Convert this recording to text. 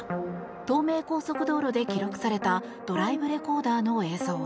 東名高速道路で記録されたドライブレコーダーの映像。